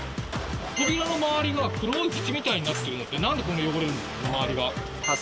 扉の周りが黒い縁みたいになってるのってなんでこんな汚れるんですか？